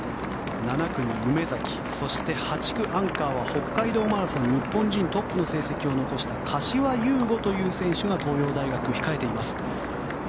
７区に梅崎８区、アンカーは北海道マラソン日本人最高の成績を残した柏優吾という選手が東洋大学は控えています。